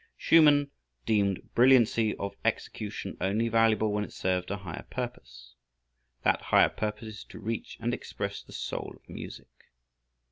Schumann deemed brilliancy of execution only valuable when it served a higher purpose. That higher purpose is to reach and express the soul of music.